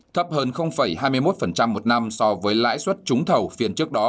thấp hơn hai mươi một một năm so với lãi suất trúng thầu phiên trước đó